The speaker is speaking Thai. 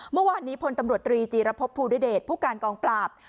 เมื่อวานนี้พลตำรวจตรีจีรพบภูริเดชผู้การกองปราบ